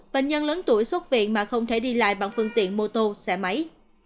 bệnh nhân lớn tuổi xuất viện mà không thể đi lại bằng phương tiện mô tô xe máy